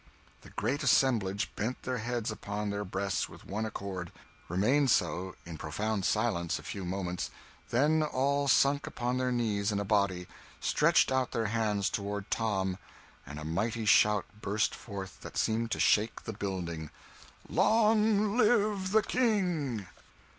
The great assemblage bent their heads upon their breasts with one accord; remained so, in profound silence, a few moments; then all sank upon their knees in a body, stretched out their hands toward Tom, and a mighty shout burst forth that seemed to shake the building "Long live the King!"